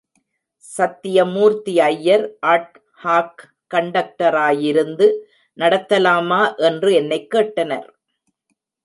Sathyamoorthy Iyer ad hoc கண்டக்டராயிருந்து நடத்தலாமா என்று என்னைக் கேட்டனர்.